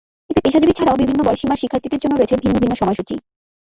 এতে পেশাজীবী ছাড়াও বিভিন্ন বয়সসীমার শিক্ষার্থীদের জন্য রয়েছে ভিন্ন ভিন্ন সময়সূচি।